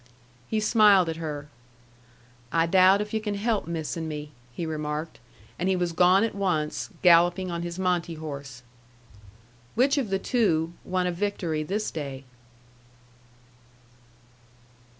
He smiled at her. "I doubt if yu' can help missin' me," he remarked. And he was gone at once, galloping on his Monte horse. Which of the two won a victory this day?